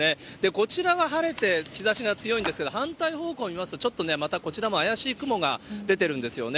こちらは晴れて、日ざしが強いんですけど、反対方向見ますと、またこちらも怪しい雲が出てるんですよね。